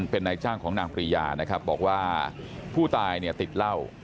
เป็นนายจ้างของนางปรียานะครับบอกว่าผู้ตายเนี่ยติดเหล้า